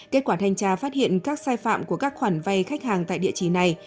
kết quả thanh tra phát hiện các sai phạm của các khoản vay khách hàng tại địa chỉ này